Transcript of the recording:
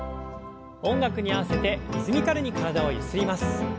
音楽に合わせてリズミカルに体をゆすります。